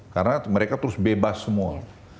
karena mereka terus bebas semua